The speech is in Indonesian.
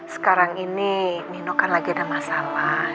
sekarang ini nino kan lagi ada masalah